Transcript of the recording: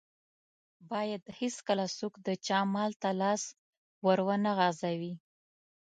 بايد هيڅکله څوک د چا مال ته لاس ور و نه غزوي.